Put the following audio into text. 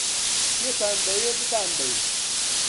-کوێتان دەوێ بتانبەین؟